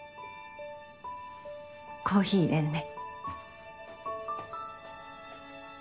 コーヒー淹れるね。